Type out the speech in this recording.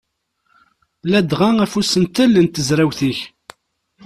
Ladɣa ɣef usentel n tezrawt-ik.